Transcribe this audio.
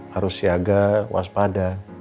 harus siaga waspada